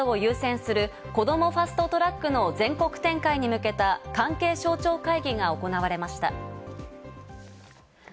子連れの家族など優先する、こどもファスト・トラックの全国展開に向けた関係省庁会議が行われました。